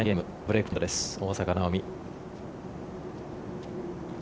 大坂なおみです。